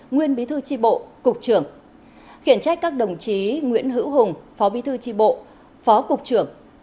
nguyên bí thư tri bộ cục trưởng khiển trách các đồng chí nguyễn hữu hùng phó bí thư tri bộ phó cục trưởng